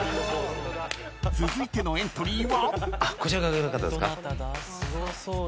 ［続いてのエントリーは］